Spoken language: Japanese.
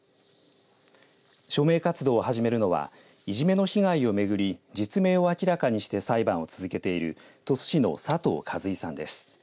署名活動を始めるのはいじめの被害をめぐり実名を明らかにして裁判を続けている鳥栖市の佐藤和威さんです。